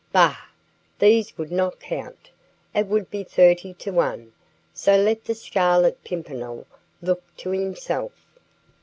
Bah! These would not count. It would be thirty to one, so let the Scarlet Pimpernel look to himself.